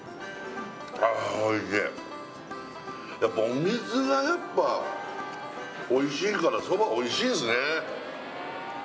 お水がやっぱおいしいからそばおいしいんですね